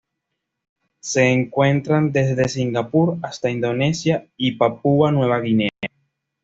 Se encuentran desde Singapur hasta Indonesia y Papúa Nueva Guinea.